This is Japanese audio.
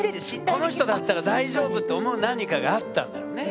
この人だったら大丈夫って思う何かがあったんだろうね。